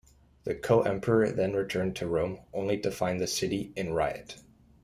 The co-emperor then returned to Rome, only to find the city in riot.